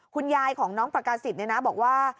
คุณยายของน้องประกาศิษย์บอกว่า